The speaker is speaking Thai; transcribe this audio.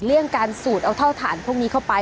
เรื่องการสูดเอาเท่าฐานพวกนี้เข้าไป